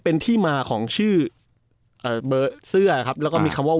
เป็นที่มาของชื่อเอ่อเบอร์เสื้อครับแล้วก็มีคำว่า